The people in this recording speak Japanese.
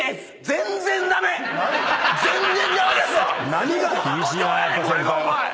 何が？